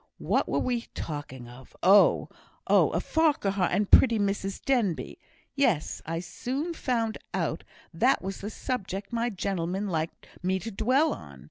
What were we talking of? Oh! of Farquhar and pretty Mrs Denbigh. Yes! I soon found out that was the subject my gentleman liked me to dwell on.